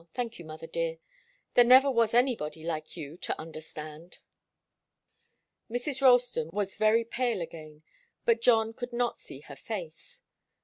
Thank you, mother dear. There never was anybody like you to understand." Mrs. Ralston was very pale again, but John could not see her face.